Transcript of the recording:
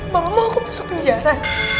mama mau aku masuk penjara